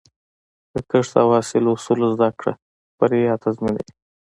د کښت او حاصل اصول زده کړه، بریا تضمینوي.